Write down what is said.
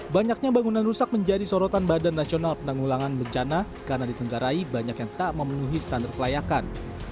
banyaknya bangunan rusak menjadi sorotan badan nasional penanggulangan bencana karena ditenggarai banyak yang tak memenuhi standar kelayakan